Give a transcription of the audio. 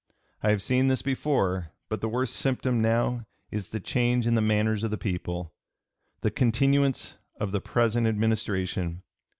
I have seen this before; but the worst symptom now is the change in the (p. 300) manners of the people. The continuance of the present Administration